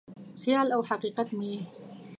خیال او حقیقت مې یې